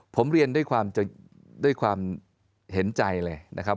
ผมเรียนด้วยความเห็นใจเลยนะครับ